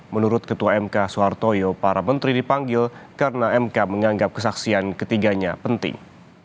menurut ketua mk soehartoyo para menteri dipanggil karena mk menganggap kesaksian ketiganya penting